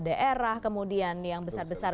daerah kemudian yang besar besar